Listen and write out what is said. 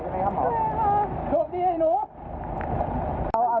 สวัสดีครับคุณผู้ชาย